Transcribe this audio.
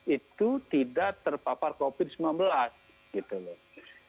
itu tidak terpapar covid sembilan belas gitu loh